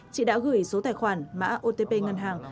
chị đã gửi số tài khoản mã otp ngân hàng